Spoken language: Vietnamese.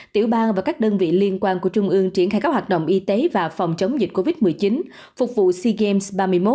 tiểu bang và các đơn vị liên quan của trung ương triển khai các hoạt động y tế và phòng chống dịch covid một mươi chín phục vụ sea games ba mươi một